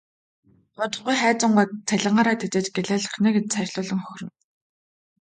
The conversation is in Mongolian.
Удахгүй Хайнзан гуайг цалингаараа тэжээж гялайлгах нь ээ гэж цаашлуулан хөхөрнө.